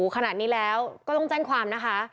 ขนาดนี้แล้วก็ต้องแจ้งความนะคะ